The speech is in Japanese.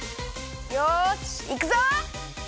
よしいくぞ！